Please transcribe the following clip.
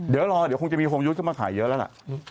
เดี๋ยวรอเดี๋ยวคงจะมีโฮมยุทธ์เข้ามาขายเยอะแล้วล่ะ